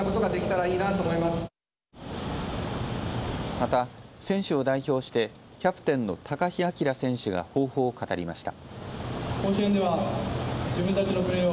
また選手を代表してキャプテンの高陽章選手が抱負を語りました。